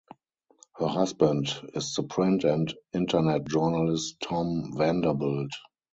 Her husband is the print and Internet journalist Tom Vanderbilt.